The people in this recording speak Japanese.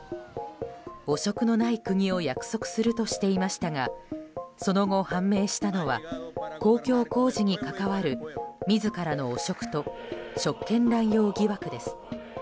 汚職のない国を約束するとしていましたがその後、判明したのは公共工事に関わる自らの汚職と職権乱用疑惑です。